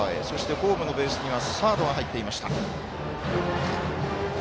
ホームのベースカバーにはサードが入っていました。